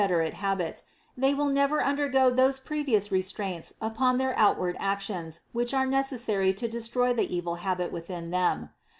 erate habit, they will never undergo those previous restraints upon their outward actions which are necessary to destroy the evil habit within them.